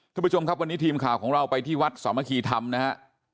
คุณผู้ชมครับวันนี้ทีมข่าวของเราไปที่วัดสามัคคีธรรมนะฮะ